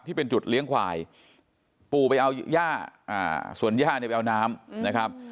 ที่เป็นจุดเลี้ยงควายปู่ไปเอาย่าส่วนย่าเนี่ยไปเอาน้ำนะครับ